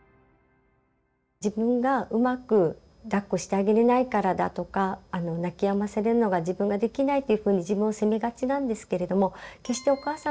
自分がうまくだっこしてあげれないからだとか泣きやませるのが自分ができないというふうに自分を責めがちなんですけれども決してお母さんのせいではないんです。